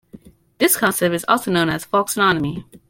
This concept is also known as folksonomy.